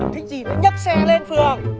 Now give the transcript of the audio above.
thích gì thì nhấc xe lên phường